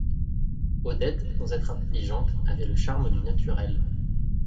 Odette sans être intelligente avait le charme du naturel.